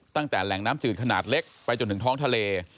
ตั้งแต่แหล่งน้ำจืดขนาดเล็กไปจนถึงท้องทะเล